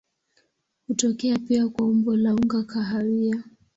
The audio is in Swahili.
Hutokea pia kwa umbo la unga kahawia.